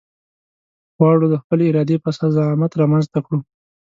غواړو د خپلې ارادې په اساس زعامت رامنځته کړو.